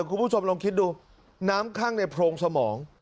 คุณผู้ชมลองคิดดูน้ำข้างในโพรงสมอง